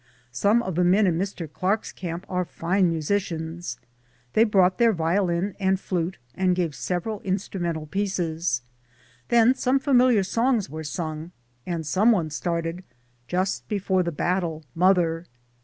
Some of the men in Mr. Clark's camp are fine musicians, they brought their violin and flute, and gave several instrumental pieces, then some familiar songs were sung and someone started ^'J^st Before the Battle, Mother."